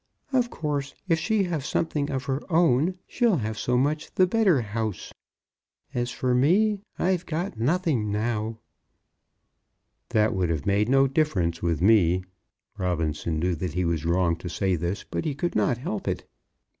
Of course, if she have something of her own, she'll have so much the better house. As for me, I've got nothing now." "That would have made no difference with me." Robinson knew that he was wrong to say this, but he could not help it.